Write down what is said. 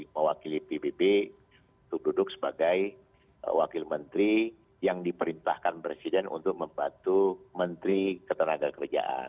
mewakili pbb untuk duduk sebagai wakil menteri yang diperintahkan presiden untuk membantu menteri ketenagakerjaan